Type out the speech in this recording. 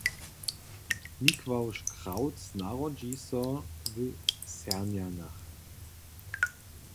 Mikławš Krawc narodźi so w Sernjanach.